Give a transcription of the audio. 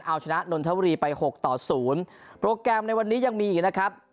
เอาชนะนทวรีไป๖ต่อ๐โปรแกรมในวันนี้ยังมีอีกนะครับ